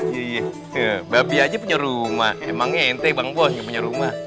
iya iya babi aja punya rumah emangnya ente bang bos punya rumah